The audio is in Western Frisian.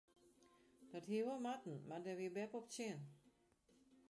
Dat hie wol moatten mar dêr wie beppe op tsjin.